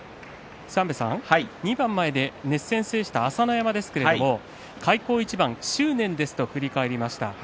２番前で熱戦を制した朝乃山ですが開口一番、執念ですと振り返りました。